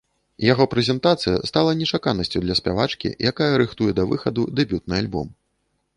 Яго прэзентацыя стала нечаканасцю для спявачкі, якая рыхтуе да выхаду дэбютны альбом.